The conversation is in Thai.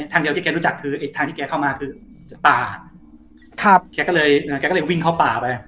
ทางเดียวที่แกรู้จักคือไอ้ทางที่แกเข้ามาคือป่าครับแกก็เลยแกก็เลยวิ่งเข้าป่าไป